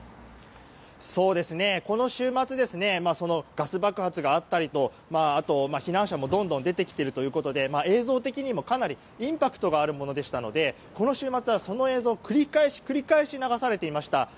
この週末ガス爆発があったり避難者もどんどん出てきているということで映像的にもかなりインパクトがあるものでしたのでこの週末は、その映像が繰り返し流されていました。